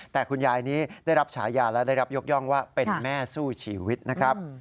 แต่คุณยายนี้ได้รับฉายาและได้รับยกย่องว่าเป็นแม่สู้ชีวิตนะครับ